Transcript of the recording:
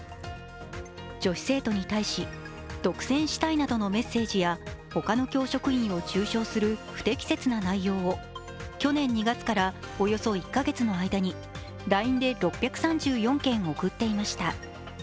女子生徒に対し、独占したいなどのメッセージやほかの教職員を中傷する不適切な内容を去年２月からおよそ１か月の間にＬＩＮＥで６３４件送っていました。